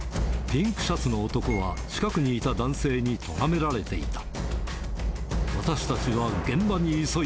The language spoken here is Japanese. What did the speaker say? ピンクシャツの男は、近くにいた男性にとがめられていた。